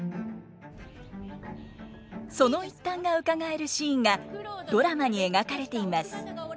その一端がうかがえるシーンがドラマに描かれています。